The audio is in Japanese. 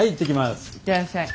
行ってらっしゃい。